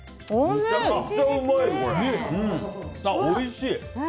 おいしい！